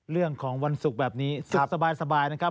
เรื่องของวันศุกร์แบบนี้สุขสบายนะครับ